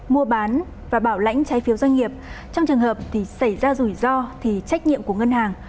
mua bán và bảo lãnh trái phiếu doanh nghiệp trong trường hợp thì xảy ra rủi ro thì trách nhiệm của ngân hàng